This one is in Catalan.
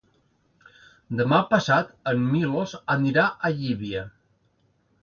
Demà passat en Milos anirà a Llívia.